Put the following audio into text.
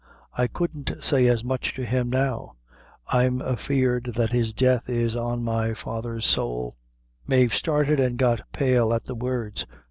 I couldn't say as much to him now; I'm afeard that his death is on my father's sowl." Mave started and got pale at the words.